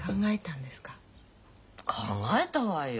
考えたわよ。